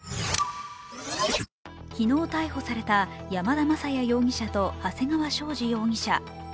昨日逮捕された山田雅也容疑者と長谷川将司容疑者。